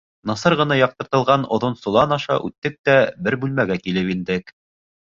Насар ғына яҡтыртылған оҙон солан аша үттек тә бер бүлмәгә килеп индек.